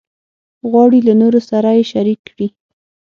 غواړي له نورو سره یې شریک کړي.